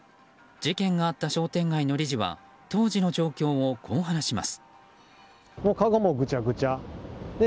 事件があった商店街の理事は当時の状況をこう話します。